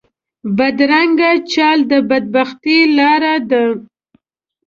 بدرنګه چال د بد بختۍ لاره ده